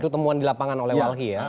temuan di lapangan oleh walhi ya